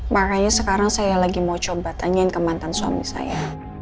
makanya sekarang saya lagi mau coba tanyain ke mantan suami saya